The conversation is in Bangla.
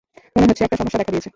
মনে হচ্ছে একটা সমস্যা দেখা দিয়েছে।